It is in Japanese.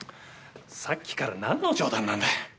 さっきからなんの冗談なんだ！